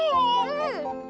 うん！